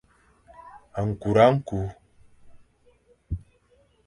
Nkura nku.